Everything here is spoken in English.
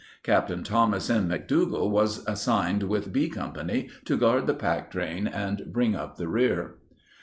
Capt. Thomas M. McDougall was assigned with B Com pany to guard the packtrain and bring up the rear.